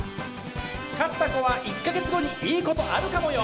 勝った子は１か月後にいいことあるかもよ！